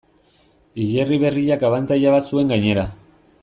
Hilerri berriak abantaila bat zuen gainera.